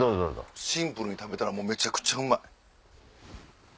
シンプルに食べたらめちゃくちゃうまい。